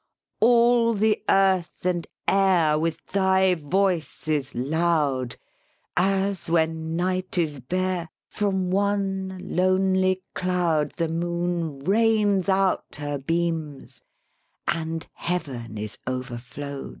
"All the earth and air With thy voice is loud, As, when night is bare, From one lonely cloud The moon rains out her beams, and heaven is overflow'd.